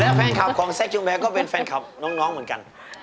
แล้วแฟนคลับของแซคจุแพงก็เป็นแฟนคลับน้องเหมือนกัน